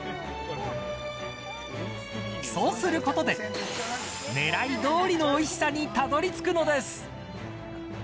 そうすることで狙いどおりのおいしさにたどり着くのです。